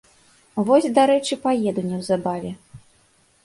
Вось, дарэчы, паеду неўзабаве.